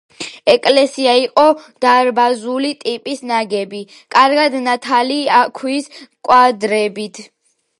ეკლესია იყო დარბაზული ტიპის, ნაგები კარგად ნათალი ქვის კვადრებით.